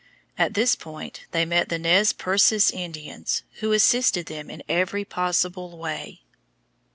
At this point they met the Nez Percés Indians, who assisted them in every possible way.